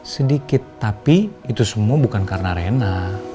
sedikit tapi itu semua bukan karena arena